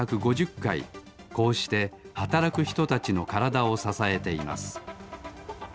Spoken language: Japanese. こうしてはたらくひとたちのからだをささえています。